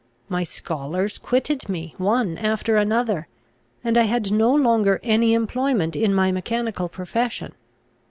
My scholars quitted me one after another; and I had no longer any employment in my mechanical profession.